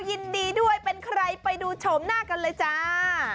ยินดีด้วยเป็นใครไปดูชมหน้ากันเลยจ้า